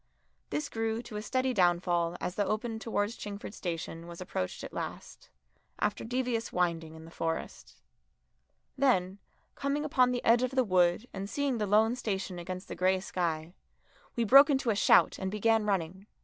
This grew to a steady downfall as the open towards Chingford station was approached at last, after devious winding in the Forest. Then, coming upon the edge of the wood and seeing the lone station against the grey sky, we broke into a shout and began running.